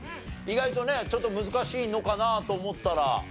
意外とねちょっと難しいのかなと思ったら。